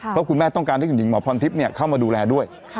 เพราะคุณแม่ต้องการให้คุณหญิงหมอพรทิพย์เข้ามาดูแลด้วย